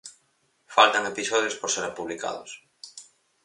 Faltan episodios por seren publicados.